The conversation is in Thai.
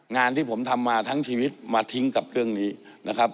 งานที่ผมทำมาทั้งชีวิตมาทิ้งกับเรื่องนี้นะครับ